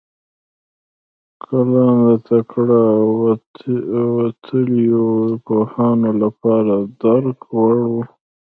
کلام د تکړه او وتلیو پوهانو لپاره د درک وړ و.